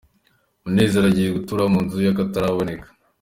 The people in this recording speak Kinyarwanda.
Munezero agiye gutura mu nzu y’akataraboneka